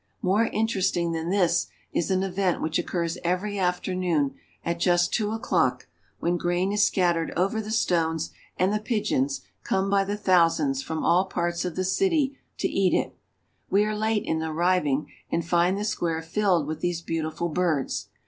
More interesting than this is an event which occurs every afternoon at just two o'clock, when grain is scattered VENICE. 399 over the stones, and the pigeons come by the thousands from all parts of the city to eat it. We are late in arriving, and find the square filled with these beautiful birds.